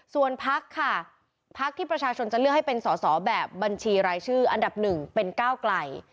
ส่วนพักค่ะพักที่ประชาชนจะเลือกให้เป็นสอสอแบบบัญชีรายชื่ออันดับหนึ่งเป็นก้าวไกล